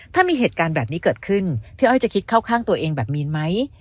ถ้ามีเหตุการณ์แบบนี้เกิดขึ้นพี่อ้อยจะคิดเข้าข้างตัวเองแบบมีนไหม